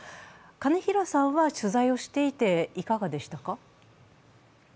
金平さんは、取材をしていていかがでしたか？